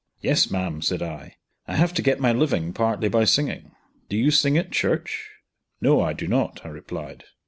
"Yes, ma'am," said I; "I have to get my living partly by singing." "Do you sing at church?" "No, I do not," I replied.